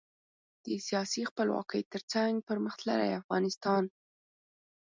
د سیاسي خپلواکۍ ترڅنګ پرمختللي افغانستان.